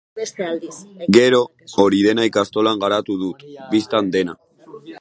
Gero, hori dena ikastolan garatu dut, bistan dena.